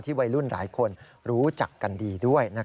วัยรุ่นหลายคนรู้จักกันดีด้วย